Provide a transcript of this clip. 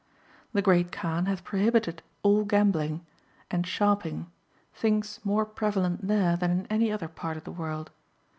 The Great Kaan hath prohibited all gambling and sharping, things more prevalent there than in any other part of the world.